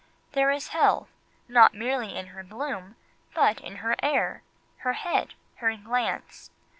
There is health, not merely in her bloom, but in her air, her head, her glance.